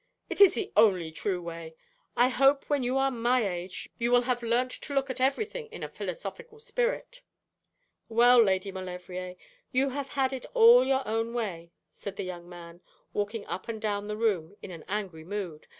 'It is the only true way. I hope when you are my age you will have learnt to look at everything in a philosophical spirit.' 'Well, Lady Maulevrier, you have had it all your own way,' said the young man, walking up and down the room in an angry mood.